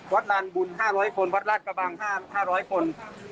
ลานบุญ๕๐๐คนวัดราชกระบัง๕๐๐คน